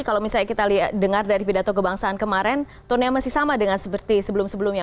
kalau misalnya kita dengar dari pidato kebangsaan kemarin tonenya masih sama dengan seperti sebelum sebelumnya